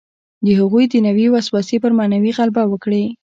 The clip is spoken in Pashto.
د هغوی دنیوي وسوسې پر معنوي غلبه وکړي.